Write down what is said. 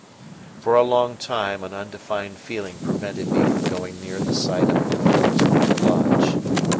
For a long time an undefined feeling prevented me from going near the site of Nuflo's burnt lodge.